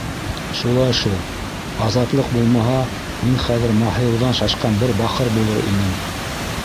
Шулай шул, Азатлыҡ булмаһа, мин хәҙер маһайыуҙан шашҡан бер бахыр булыр инем.